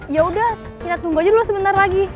yaudah kita tunggu aja dulu sebentar lagi